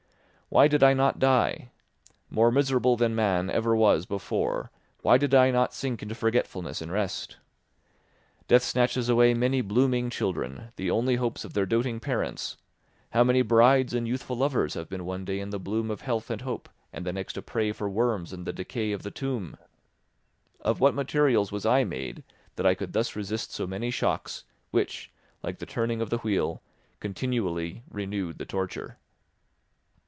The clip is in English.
Why did I not die? More miserable than man ever was before, why did I not sink into forgetfulness and rest? Death snatches away many blooming children, the only hopes of their doting parents; how many brides and youthful lovers have been one day in the bloom of health and hope, and the next a prey for worms and the decay of the tomb! Of what materials was I made that I could thus resist so many shocks, which, like the turning of the wheel, continually renewed the torture?